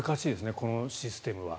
このシステムは。